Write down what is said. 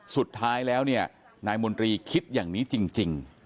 สุดท้ายแล้วเนี่ยนายมนตรีคิดอย่างนี้จริง